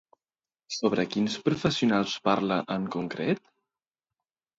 Sobre quins professionals parla, en concret?